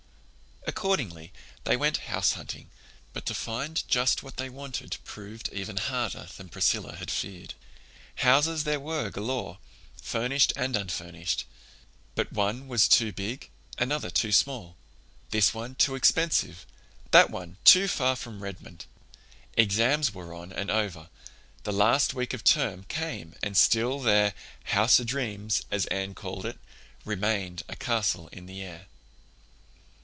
Accordingly they went house hunting, but to find just what they wanted proved even harder than Priscilla had feared. Houses there were galore, furnished and unfurnished; but one was too big, another too small; this one too expensive, that one too far from Redmond. Exams were on and over; the last week of the term came and still their "house o'dreams," as Anne called it, remained a castle in the air.